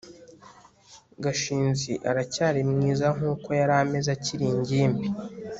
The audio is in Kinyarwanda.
gashinzi aracyari mwiza nkuko yari ameze akiri ingimbi